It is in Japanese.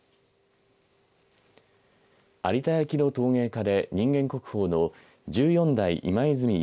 有田焼の陶芸家で人間国宝の十四代今泉